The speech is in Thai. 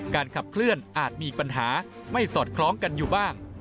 ขับเคลื่อนอาจมีปัญหาไม่สอดคล้องกันอยู่บ้าง